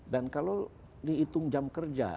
dan kalau dihitung jam kerja